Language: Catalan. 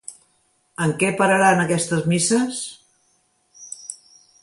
En què pararan aquestes misses?